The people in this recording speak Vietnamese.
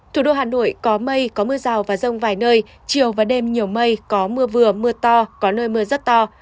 thủ đô hà nội có mây có mưa rào và rông vài nơi chiều và đêm nhiều mây có mưa vừa mưa to có nơi mưa rất to